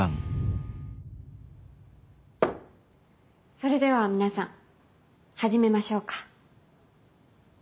それでは皆さん始めましょうか。